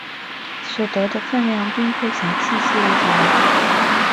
所得的份量并会详细记录下来。